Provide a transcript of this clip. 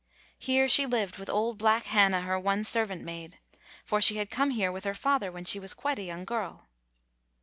Here she lived with old black Hannah, her one servant maid, for she had come here with her father when she was quite a young girl.